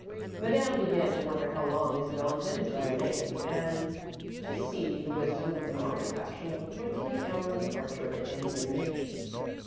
Madame began to wonder how long Isabel intended to remain and to see the wisdom of the modern fashion of appointing the hour of departure in the invitation.